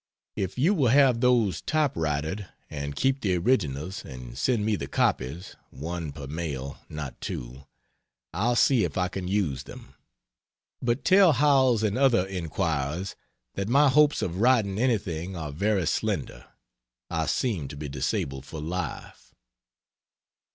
If you will have those type writered and keep the originals and send me the copies (one per mail, not two.) I'll see if I can use them. But tell Howells and other inquirers that my hopes of writing anything are very slender I seem to be disabled for life.